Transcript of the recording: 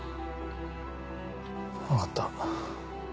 分かった。